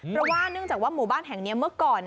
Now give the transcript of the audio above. เพราะว่าเนื่องจากว่าหมู่บ้านแห่งนี้เมื่อก่อน